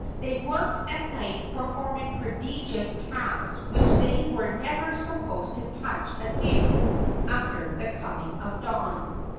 They worked at night performing prodigious tasks which they were never supposed to touch again after the coming of dawn.